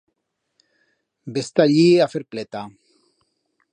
Ves ta allí a fer pleta.